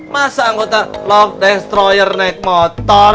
masa anggota love destroyer naik motor